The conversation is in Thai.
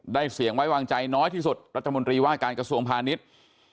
เสียงไว้วางใจน้อยที่สุดรัฐมนตรีว่าการกระทรวงพาณิชย์